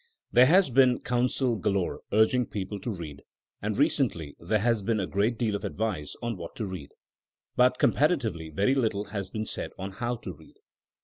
There has been coun sel galore urging people to read; and recently there has been a great deal of advice on what to read. But comparatively very little has been said on how to read.